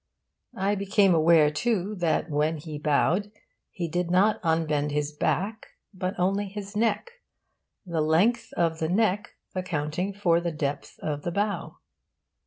I became aware, too, that when he bowed he did not unbend his back, but only his neck the length of the neck accounting for the depth of the bow.